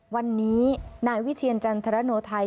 วันนี้นายวิเชียรจันทรโนไทย